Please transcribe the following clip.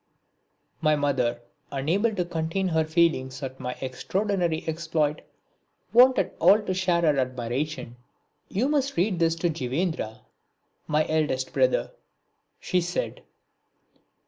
My mother, unable to contain her feelings at my extraordinary exploit, wanted all to share her admiration. "You must read this to Dwijendra," (my eldest brother), she said.